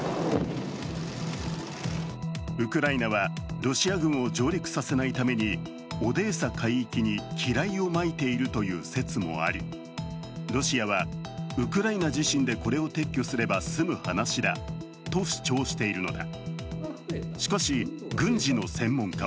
ウクライナはロシア軍を上陸させないためにオデーサ海域に機雷をまいているという説もありロシアは、ウクライナ自身でこれを撤去すれば済む話だと主張しているのだ。